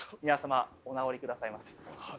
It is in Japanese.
皆様お直りくださいませ。